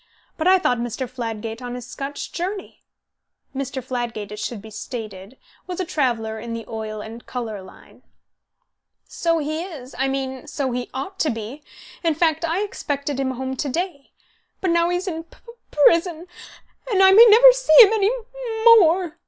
But I thought Mr. Fladgate on his Scotch journey." (Mr. Fladgate, it should be stated, was a traveller in the oil and colour line.) "So he is. I mean, so he ought to be. In fact I expected him home to day. But now he's in p p prison, and I may never see him any m mo more."